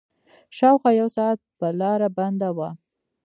شاوخوا يو ساعت به لاره بنده وه.